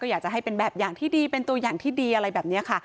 อยากจะให้เป็นแบบอย่างที่ดีเป็นตัวอย่างที่ดีอะไรแบบนี้ค่ะ